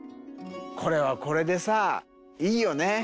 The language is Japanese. これはこれでさいいよね何か。